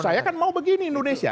saya kan mau begini indonesia